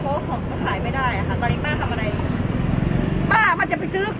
เพราะว่าของก็ขายไม่ได้อ่ะค่ะตอนนี้ป้าทำอะไรป้ามันจะไปซื้อ